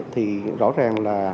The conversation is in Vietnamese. thì rõ ràng là